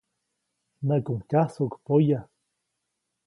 Näʼkuŋ tyajsuʼk poya.